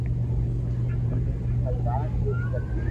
اوون ري ھر وات پوري ڪروي